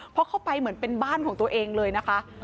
พอเข้าไปเหมือนเป็นบ้านของตัวเองเลยนะคะ